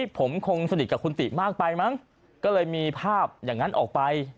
ผมคงสนิทกับคุณติมากไปมั้งก็เลยมีภาพอย่างนั้นออกไป